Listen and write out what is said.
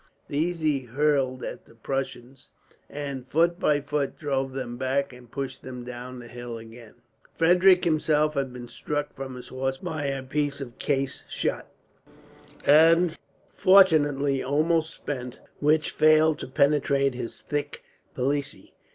These he hurled at the Prussians and, foot by foot, drove them back and pushed them down the hill again. Frederick himself had been struck from his horse by a piece of case shot, fortunately almost spent, and which failed to penetrate his thick pelisse.